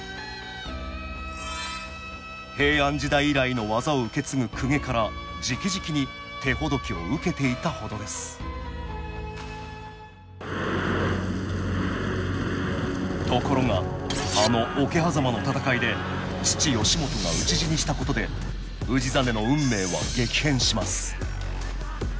平安時代以来の技を受け継ぐ公家からじきじきに手ほどきを受けていたほどですところがあの桶狭間の戦いで父義元が討ち死にしたことで氏真の運命は激変します